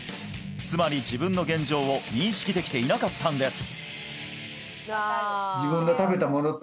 つまり自分の現状を認識できていなかったんです